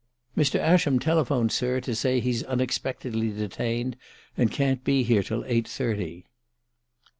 "Mr. Ascham telephones, sir, to say he's unexpectedly detained and can't be here till eight thirty."